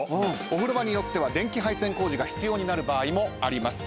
お風呂場によっては電気配線工事が必要になる場合もあります。